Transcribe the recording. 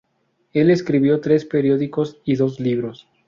Él escribió tres periódicos y dos libros.